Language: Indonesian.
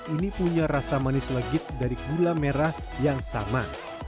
ini punya rasa manis legit dari gula merah yang sama